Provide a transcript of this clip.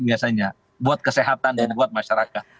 biasanya buat kesehatan dan buat masyarakat